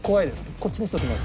こっちにしときます。